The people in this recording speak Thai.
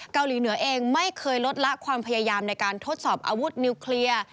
เกาหลีเหนือเองไม่เคยลดละความพยายามในการทดสอบอาวุธนิวเคลียร์